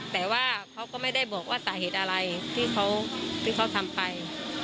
แต่ว่าเขาก็ไม่ได้บอกว่าสาเหตุอะไรที่เขาทำไป